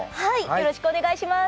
よろしくお願いします。